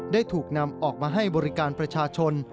ได้ถูกนำออกมาให้บริการประชาชน